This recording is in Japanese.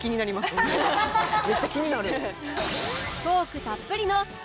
めっちゃ気になる。